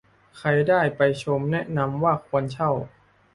ใครได้ไปชมแนะนำว่าควรเช่า